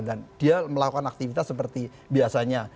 dan dia melakukan aktivitas seperti biasanya